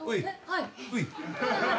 はい。